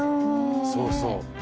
そうそう。